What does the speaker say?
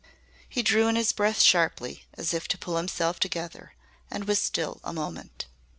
'" He drew in his breath sharply, as if to pull himself together, and was still a moment.